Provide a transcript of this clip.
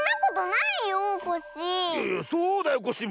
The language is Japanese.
そうだよコッシー！